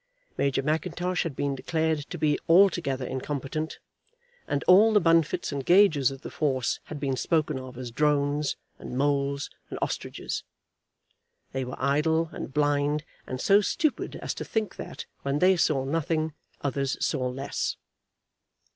Major Mackintosh had been declared to be altogether incompetent, and all the Bunfits and Gagers of the force had been spoken of as drones and moles and ostriches. They were idle and blind, and so stupid as to think that, when they saw nothing, others saw less.